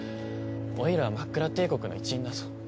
オイラはマックラ帝国の一員だぞ。